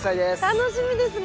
楽しみですね。